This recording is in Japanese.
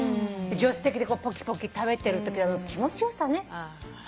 助手席でポキポキ食べてるときの気持ち良さね。